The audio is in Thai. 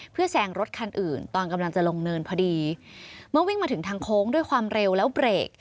เพื่อแซงรถคันอื่นตอนกำลังจะลงเนินพอดีเมื่อวิ่งมาถึงทางโค้งด้วยความเร็วแล้วเบรก